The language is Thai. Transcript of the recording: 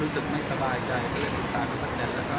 รู้สึกไม่สบายใจรู้สึกสายแล้วก็ต้องไปสายที่อุญาต